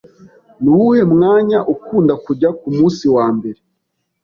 Nuwuhe mwanya ukunda kujya kumunsi wambere?